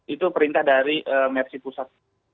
itu perintah dari mersi pusat